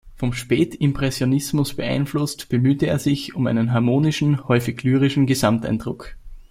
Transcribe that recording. Vom Spätimpressionismus beeinflusst, bemühte er sich „um einen harmonischen, häufig lyrischen Gesamteindruck“.